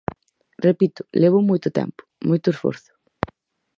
Repito, levou moito tempo, moito esforzo.